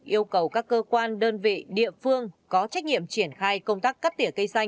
yêu cầu các cơ quan đơn vị địa phương có trách nhiệm triển khai công tác cắt tỉa cây xanh